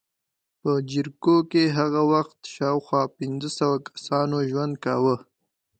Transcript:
په جریکو کې هغه وخت شاوخوا پنځه سوه کسانو ژوند کاوه